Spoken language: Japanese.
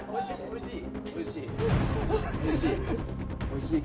おいしい？